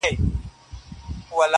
سوداګر ته پیر ویله چي هوښیار یې -